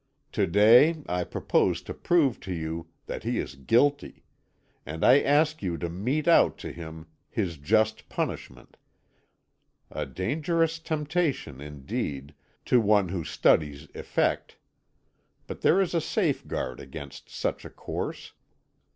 To day I propose to prove to you that he is guilty, and I ask you to mete out to him his just punishment.' A dangerous temptation, indeed, to one who studies effect. But there is a safeguard against such a course.